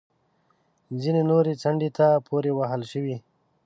ځینې نورې څنډې ته پورې وهل شوې